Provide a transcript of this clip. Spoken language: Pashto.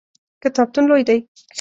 کتابتون لوی دی؟